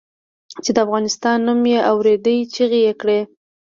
چې د افغانستان نوم یې واورېد چیغې یې کړې.